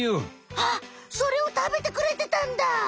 あっそれを食べてくれてたんだ！